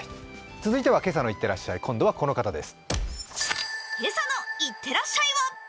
続いては、「今朝のいってらっしゃい」、この方です。